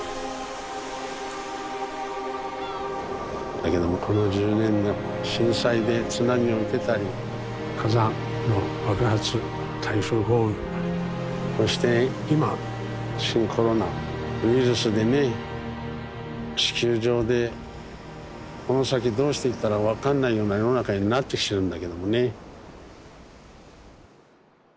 だけどもこの１０年で震災で津波を受けたり火山の爆発台風豪雨そして今新コロナウイルスでね地球上でこの先どうしていったら分かんないような世の中になってきてるんだけどもね。